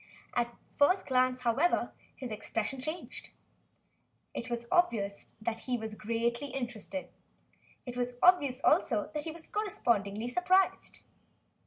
At the first glance, however, his expression changed. It was obvious that he was greatly interested. It was obvious, also, that he was correspondingly surprised.